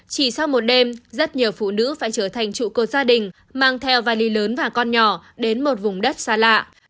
chỉ sau một đêm rất nhiều phụ nữ phải trở thành trụ cột gia đình mang theo vali lớn và con nhỏ đến một vùng đất xa lạ